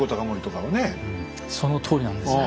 そのとおりなんです。